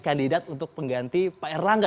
kandidat untuk pengganti pak erlangga